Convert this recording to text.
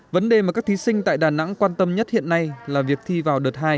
vấn đề mà các thí sinh tại đà nẵng quan tâm nhất hiện nay là việc thi vào đợt hai